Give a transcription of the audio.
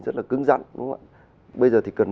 rất là cứng rắn bây giờ thì cần